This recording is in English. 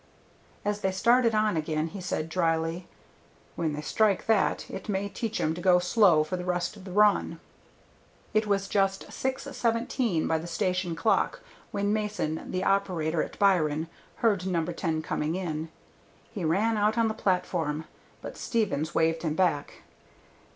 As they started on again he said dryly, "When they strike that, it may teach 'em to go slow for the rest of the run." It was just six seventeen by the station clock when Mason, the operator at Byron, heard No. 10 coming in. He ran out on the platform, but Stevens waved him back.